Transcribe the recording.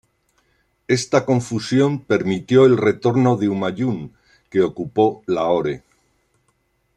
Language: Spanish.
Esta confusión permitió el retorno de Humayun que ocupó Lahore.